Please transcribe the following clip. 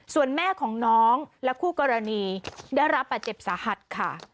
ส่วนแม่ของน้องและคู่กรณีได้รับบาดเจ็บสาหัสค่ะ